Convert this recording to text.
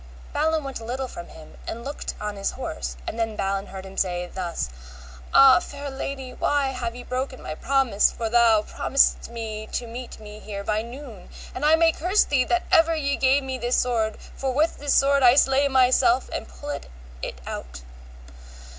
Balin went a little from him, and looked on his horse; then heard Balin him say thus: Ah, fair lady, why have ye broken my promise, for thou promisest me to meet me here by noon, and I may curse thee that ever ye gave me this sword, for with this sword I slay myself, and pulled it out.